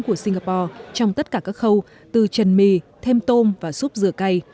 của singapore trong tất cả các khâu từ chân mì thêm tôm và súp dừa cay